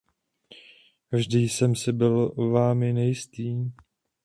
Vždy jsem si byl vámi nejistý.